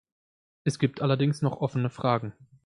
Es gibt allerdings noch offene Fragen.